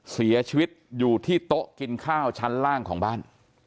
เสียชีวิตอยู่ที่โต๊ะกินข้าวชั้นล่างของบ้าน